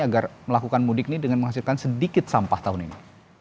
agar melakukan mudik ini dengan menghasilkan sedikit sampah tahun ini